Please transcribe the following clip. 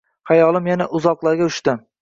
Xayolim yana uzoqlarga uchdi.